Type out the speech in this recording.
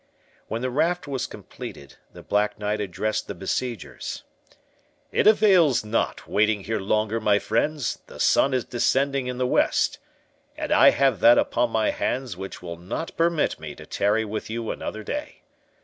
When the raft was completed, the Black Knight addressed the besiegers:—"It avails not waiting here longer, my friends; the sun is descending to the west—and I have that upon my hands which will not permit me to tarry with you another day.